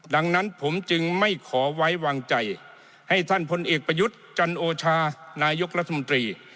ดังนั้นผมจึงไม่ขอไว้วางใจให้ท่านพลเอกประยุทธ์จันโอชานายกรัฐมนตรี